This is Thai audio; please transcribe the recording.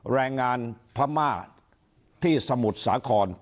แรงงานพม่าที่สมุทรสาคร